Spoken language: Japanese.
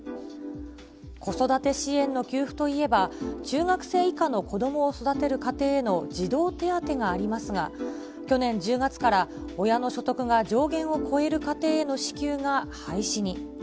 子育て支援の給付といえば、中学生以下の子どもを育てる家庭への児童手当がありますが、去年１０月から、親の所得が上限を超える家庭への支給が廃止に。